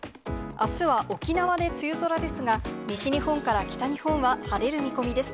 あすは沖縄で梅雨空ですが、西日本から北日本は晴れる見込みです。